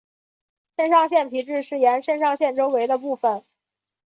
肾上腺皮质是沿肾上腺周围的部分。